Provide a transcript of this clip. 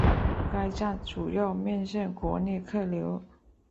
该站主要面向国内客流。